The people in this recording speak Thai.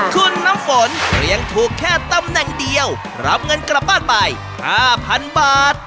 คุณน้ำฝนเรียงถูกแค่ตำแหน่งเดียวรับเงินกลับบ้านไป๕๐๐๐บาท